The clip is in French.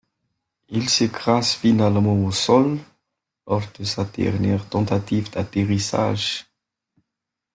Il s'écrase finalement au sol lors de sa dernière tentative d'atterrissage.